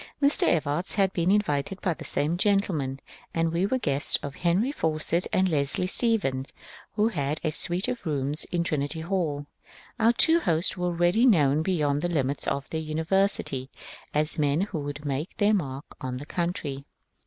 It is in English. Mr. Evarts had been invited by the same gentlemen, and we were guests of Henry Fawcett and Leslie Stephen, who had a suite of rooms in Trinity HalL Our two hosts were already known beyond the limits of their university as men who would make their m^rk on the country.